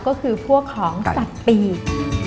ก็คือพวกของสัตว์ปีก